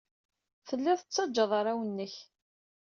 Telliḍ tettajjaḍ arraw-nnek.